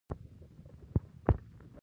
د ممپلیو غوړي هم ایستل کیږي.